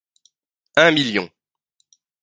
Un million!